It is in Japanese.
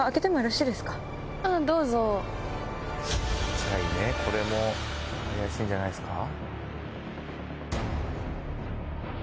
チャイねこれも怪しいんじゃないですか。